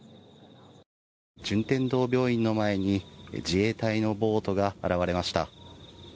順天堂病院の前に自衛隊のボートが現れました。